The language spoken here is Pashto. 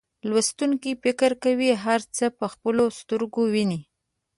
لوستونکي فکر کوي هر څه په خپلو سترګو ویني.